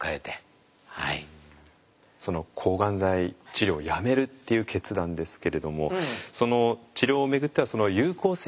その抗がん剤治療をやめるっていう決断ですけれども治療を巡っては有効性はね